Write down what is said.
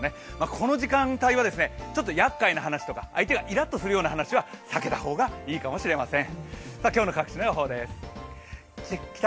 この時間帯はちょっとやっかいな話とか相手がイラッとするような話は避けた方がいいかもしれません。